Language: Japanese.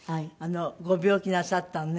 ご病気なさったのね。